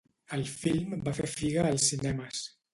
El film va fer figa als cinemes.